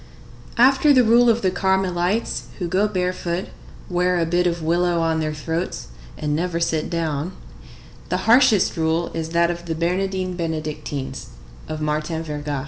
After the rule of the Carmelites, who go barefoot, wear a bit of willow on their throats, and never sit down, the harshest rule is that of the Bernardines Benedictines of Martin Verga.